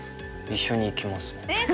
一緒に行きますね。